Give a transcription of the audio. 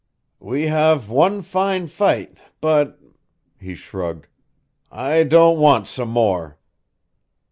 "We have one fine fight, but" he shrugged "I don' want some more."